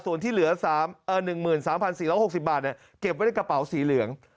ส่วนที่เหลือ๑๓๔๖๐บาทเก็บไว้ในกระเป๋าสีเหลือง